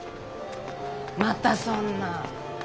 またそんな。